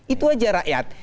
itu aja rakyat